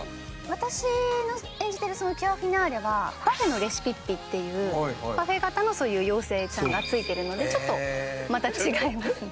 私の演じてるキュアフィナーレはパフェのレシピッピっていうパフェ型のそういう妖精さんがついてるのでちょっとまた違いますね。